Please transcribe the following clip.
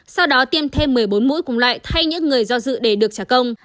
sau đó tiêm thêm một mươi bốn mũi cùng lại thay những người do dự để được trả công